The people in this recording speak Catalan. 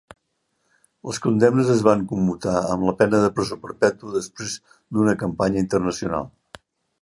Les condemnes es van commutar amb la pena de presó perpètua després d'una campanya internacional.